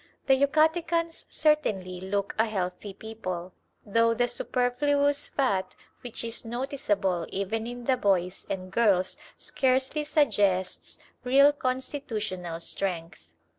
The Yucatecans certainly look a healthy people, though the superfluous fat which is noticeable even in the boys and girls scarcely suggests real constitutional strength.